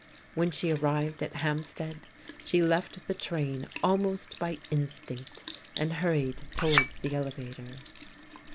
When she arrived at Hampstead she left the train almost by instinct, and hurried towards the elevator.